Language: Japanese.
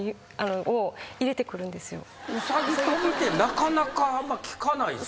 うさぎ跳びってなかなかあんま聞かないっすね。